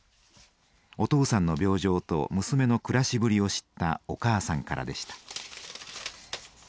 お父さんの病状と娘の暮らしぶりを知ったお母さんからでした。